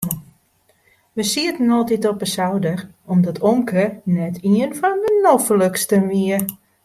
We sieten altyd op de souder omdat omke net ien fan de nofliksten wie.